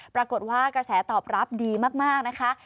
ปรากฏว่ากระแสตอบรับดีมากนะคะ